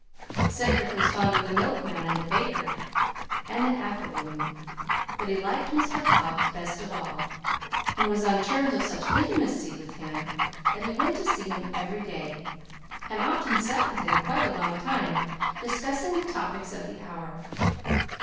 Cedric was fond of the milkman and the baker and the apple woman, but he liked Mr. Hobbs best of all, and was on terms of such intimacy with him that he went to see him every day, and often sat with him quite a long time, discussing the topics of the hour.